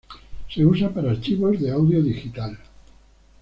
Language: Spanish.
Se usa para archivos de audio digital.